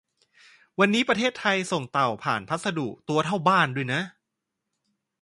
วันนี้ประเทศไทยส่งเต่าผ่านพัสดุ ตัวเท่าบ้านด้วยนะ